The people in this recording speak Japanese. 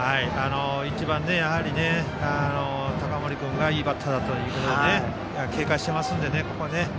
一番、高森君がいいバッターだということで警戒していますのでね。